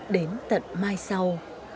đến tận mai sau